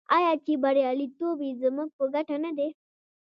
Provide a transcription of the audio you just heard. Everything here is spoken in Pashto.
آیا چې بریالیتوب یې زموږ په ګټه نه دی؟